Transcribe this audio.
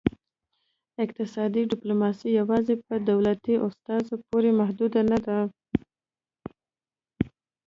اقتصادي ډیپلوماسي یوازې په دولتي استازو پورې محدوده نه ده